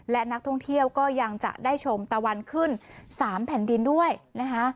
และนักท่องเที่ยวก็ยังจะได้ชมตะวันขึ้น๓แผ่นดินด้วยนะคะ